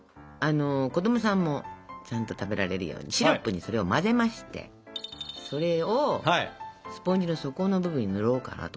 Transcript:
子供さんもちゃんと食べられるようにシロップにそれを混ぜましてそれをスポンジの底の部分に塗ろうかなと。